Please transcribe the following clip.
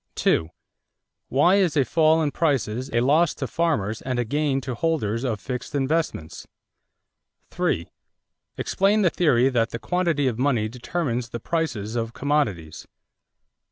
Why is a fall in prices a loss to farmers and a gain to holders of fixed investments? 3. Explain the theory that the quantity of money determines the prices of commodities.